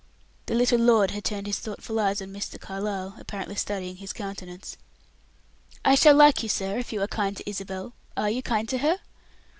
The little lord had turned his thoughtful eyes on Mr. Carlyle, apparently studying his countenance. "I shall like you, sir, if you are kind to Isabel. Are you kind to her?"